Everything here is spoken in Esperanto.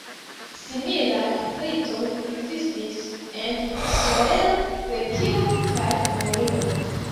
Similaj ritoj ekzistis en Israelo, Grekio kaj Romio.